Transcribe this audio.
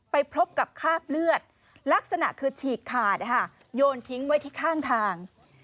ไปพบกับคราบเลือดลักษณะคือฉีกขาดโยนทิ้งไว้ที่ข้างทาง